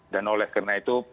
dan oleh karena itu